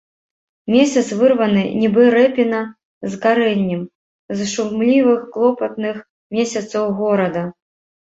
Месяц вырваны, нібы рэпіна з карэннем, з шумлівых клопатных месяцаў горада.